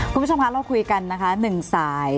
คุณผู้ชมคะเราคุยกันนะคะ๑สาย